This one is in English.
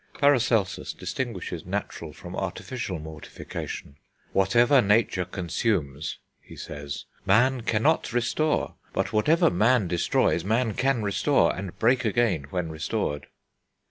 Paracelsus distinguishes natural from artificial mortification, "Whatever nature consumes," he says, "man cannot restore. But whatever man destroys man can restore, and break again when restored."